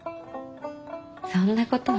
そんなことは。